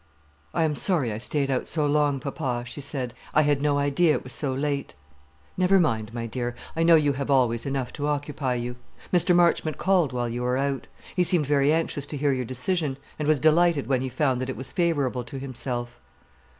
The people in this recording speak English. "I am sorry I stayed out so long, papa" she said; "I had no idea it was so late." "Never mind, my dear, I know you have always enough to occupy you. Mr. Marchmont called while you were out. He seemed very anxious to hear your decision, and was delighted when he found that it was favourable to himself."